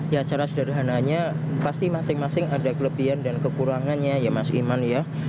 ya secara sederhananya pasti masing masing ada kelebihan dan kekurangannya ya mas iman ya